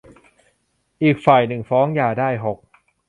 อีกฝ่ายหนึ่งฟ้องหย่าได้ หก